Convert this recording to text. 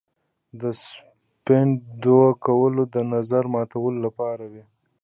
د سپند دود کول د نظر ماتولو لپاره وي.